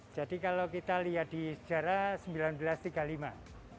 jadi kalau kita lihat di sejarah seribu sembilan ratus tiga puluh lima